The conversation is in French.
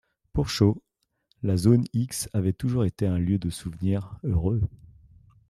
Pour Sho, la zone X avait toujours été un lieu de souvenirs heureux.